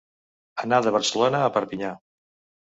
Anar de Barcelona a Perpinyà.